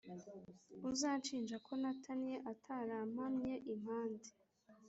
Uzanshinja ko natannye Utarampamye impande